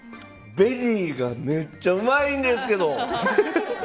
ベリーがめっちゃうまいんですけど。